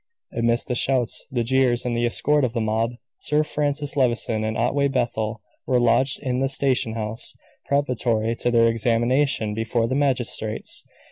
Amidst the shouts, the jeers, and the escort of the mob, Sir Francis Levison and Otway Bethel were lodged in the station house, preparatory to their examination before the magistrates.